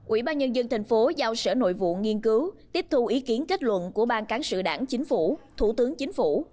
ủy ban nhân dân tp hcm giao sở nội vụ nghiên cứu tiếp thu ý kiến kết luận của ban cán sự đảng chính phủ thủ tướng chính phủ